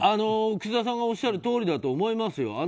楠田さんがおっしゃるとおりだと思いますよ。